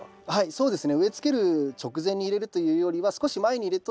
そうですね。